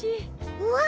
うわ！